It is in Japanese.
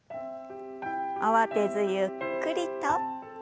慌てずゆっくりと。